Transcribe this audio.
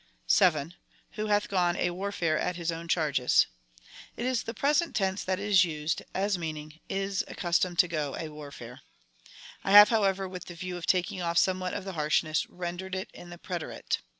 7. Who hath gone a warfare at his oivn chai ges ? It is the present tense that is used^ as meaning — is accustoined to go a warfare. I have, however, with the view of taking off somewhat of the harshness, rendered it in the preterite.